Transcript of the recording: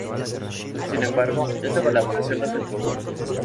Sin embargo, esta colaboración no se produjo.